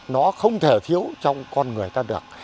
nó không thể thiếu trong con người ta được